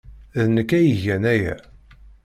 D nekk ay igan aya.